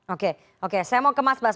oke oke saya mau ke mas bas